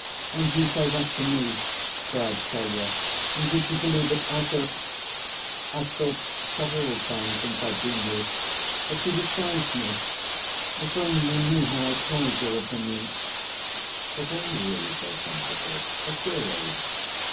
"And you say that to me!" cried Kolya; "and would you believe it, I thought—I've thought several times since I've been here—that you despised me! If only you knew how I prize your opinion!" "But are you really so sensitive? At your age!